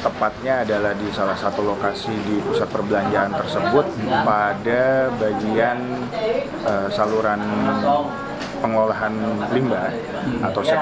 ketiga orang petugas yang menanggung penyelamatan di ruang septic tank